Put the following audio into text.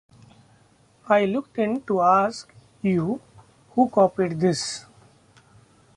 I looked in to ask you who copied this.